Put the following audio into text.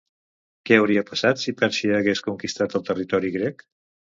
Què hauria passat si Pèrsia hagués conquistat el territori grec?